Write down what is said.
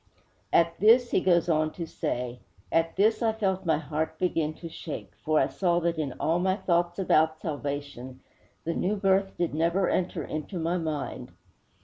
_' 'At this,' he goes on to say, 'at this I felt my heart begin to shake, for I saw that in all my thoughts about salvation, the new birth did never enter into my mind!'